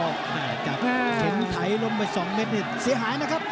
แม่กับเช็นไถลมไปสองเมตรเสียหายนะครับ